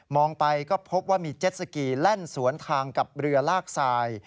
ไปก็พบว่ามีเจ็ดสกีแล่นสวนทางกับเรือลากทราย